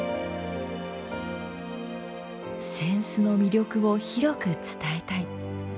扇子の魅力を広く伝えたい。